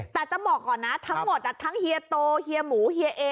แต่จะบอกก่อนนะทั้งหมดทั้งเฮียโตเฮียหมูเฮียเอ